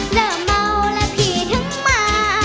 เริ่มเมาแล้วพี่ถึงมา